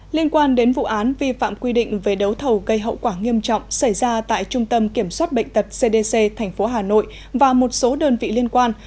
liên quan đến vụ án vi phạm quy định về đấu thầu gây hậu quả nghiêm trọng xảy ra tại trung tâm kiểm soát bệnh tật cdc tp hà nội và một số đơn vị liên quan